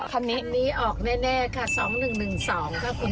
คันนี้ออกแน่ค่ะ๒๑๑๒ขอบคุณค่ะ